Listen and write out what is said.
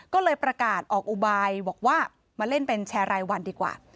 ก็เลยประกาศออกอุบายบอกว่ามาเล่นเป็นแชร์รายวันดีกว่า